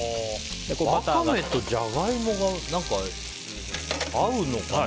ワカメとジャガイモが合うのかなって。